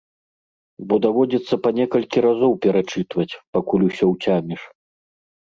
Бо даводзіцца па некалькі разоў перачытваць, пакуль усё ўцяміш.